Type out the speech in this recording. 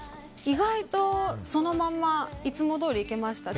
意外とそのままいつもどおりいけました。